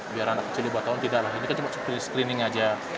biar anak kecil di bawah tahun tidak lah ini kan cuma screening aja